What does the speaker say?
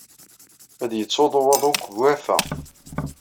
La d-yettsuḍu waḍu seg ugafa.